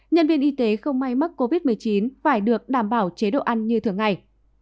nhân viên y tế không may mắc covid một mươi chín phải được đảm bảo chế độ ăn như thường ngày